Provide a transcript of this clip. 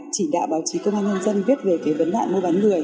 chỉ đạo báo chí công an nhân dân viết về vấn đạn mưu bán người